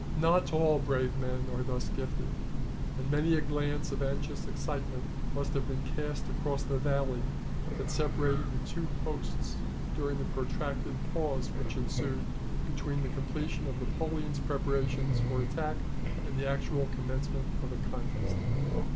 Not all brave men are thus gifted; and many a glance of anxious excitement must have been cast across the valley that separated the two hosts during the protracted pause which ensued between the completion of Napoleon's preparations for attack and the actual commencement of the contest.